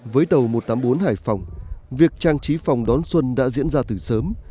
với tàu một trăm tám mươi bốn hải phòng việc trang trí phòng đón xuân đã diễn ra từ sớm